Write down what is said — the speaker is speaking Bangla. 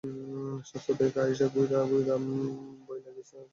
স্বাস্থ্য থাইকা আইসা ঘুইরা ঘুইরা বইলা গ্যাছে এইখানে বার্ন হাসপাতাল হইব।